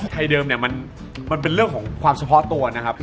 เดิมเนี่ยมันเป็นเรื่องของความเฉพาะตัวนะครับ